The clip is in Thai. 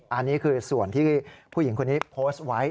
อันนี้คือส่วนที่ผู้หญิงคนนี้โพสต์ไว้